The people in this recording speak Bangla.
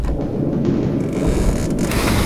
তো পূজা-অর্চনার করতে পঞ্চায়েত ডেকেছেন?